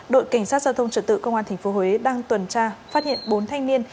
đội cảnh sát giao thông trật tự công an tp huế đang tuần tra phát hiện bốn thanh niên